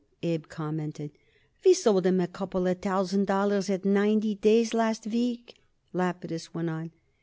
Abe commented. "We sold him a couple of thousand dollars at ninety days last week," Lapidus went on.